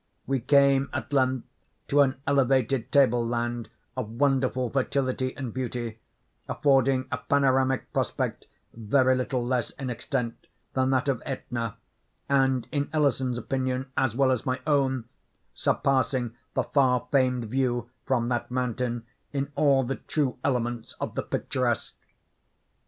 We came at length to an elevated table land of wonderful fertility and beauty, affording a panoramic prospect very little less in extent than that of Aetna, and, in Ellison's opinion as well as my own, surpassing the far famed view from that mountain in all the true elements of the picturesque.